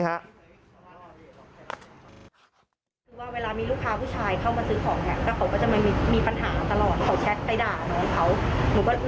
ใช่ลูกก็ช้าวไปเหมือนกันนะครับ